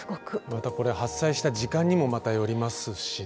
またこれ発災した時間にもまたよりますしね。